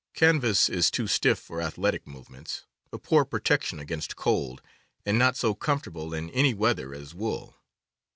Can vas is too stiff for athletic movements, a poor protection against cold, and not so comfortable in any weather as wool.